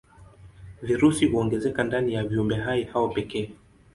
Virusi huongezeka ndani ya viumbehai hao pekee.